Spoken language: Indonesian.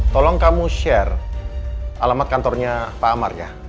tolong kamu share alamat kantornya pak amar ya